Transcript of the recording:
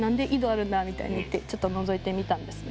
みたいに言ってちょっとのぞいてみたんですね。